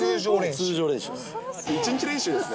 通常練習です。